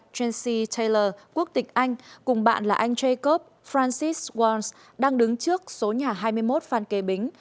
tracy taylor quốc tịch anh cùng bạn là anh jacob francis walsh đang đứng trước số nhà hai mươi một phan kê bính